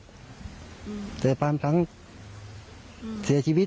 โดยเหลือมีความเซียชีวิต